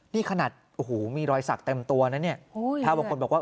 นี่ขนาดโอ้โหมีรอยสักเต็มตัวนะเนี่ยถ้าบางคนบอกว่า